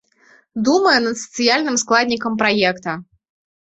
Думаем над сацыяльным складнікам праекта.